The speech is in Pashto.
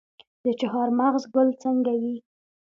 د چهارمغز ګل څنګه وي؟